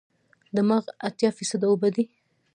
دماغ اتیا فیصده اوبه دي.